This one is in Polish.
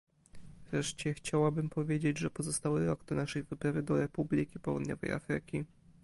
Wreszcie chciałabym powiedzieć, że pozostał rok do naszej wyprawy do Republiki Południowej Afryki